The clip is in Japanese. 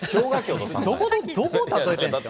どこを例えてるんですか？